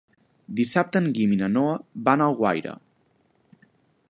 Dissabte en Guim i na Noa van a Alguaire.